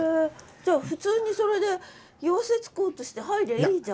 じゃあ普通にそれで溶接工として入りゃいいじゃん。